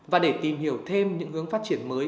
và để tìm hiểu thêm những hướng phát triển mới